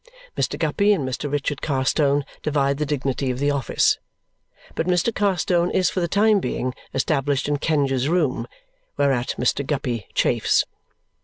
Mr. Guppy and Mr. Richard Carstone divide the dignity of the office. But Mr. Carstone is for the time being established in Kenge's room, whereat Mr. Guppy chafes.